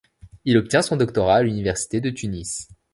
Il obtient son doctorat à l'université de Tunis.